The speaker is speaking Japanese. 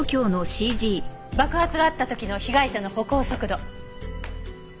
爆発があった時の被害者の歩行速度。